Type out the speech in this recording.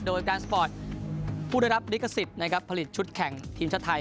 โดยการสปอร์ตผู้ได้รับลิขสิทธิ์นะครับผลิตชุดแข่งทีมชาติไทย